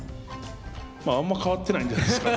まああんま変わってないんじゃないですか。